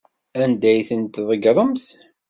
Anda ay tent-tḍeggremt?